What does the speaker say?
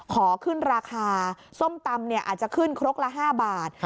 ขอขึ้นราคาส้มตำอาจจะขึ้นครกละ๕บาท